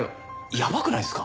やばくないですか？